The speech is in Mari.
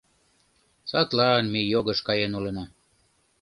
Садлан ме йогыш каен улына.